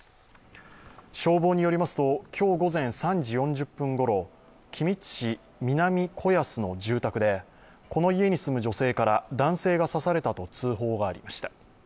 消防によりますと、今日午前３時４０分ごろ、君津市南子安の住宅でこの家に住む女性から、男性が刺されたと通報がありました。